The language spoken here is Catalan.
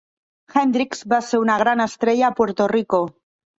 Hendricks va ser una gran estrella a Puerto Rico.